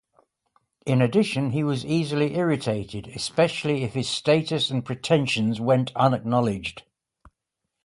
In addition, he was easily irritated, especially if his status and pretensions went unacknowledged.